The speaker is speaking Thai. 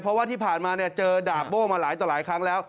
เพราะว่าที่ผ่านมาเนี่ยเจอดาบโบ้มาหลายต่อหลายครั้งแล้ว